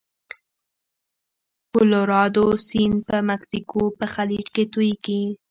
کلورادو سیند په مکسیکو په خلیج کې تویږي.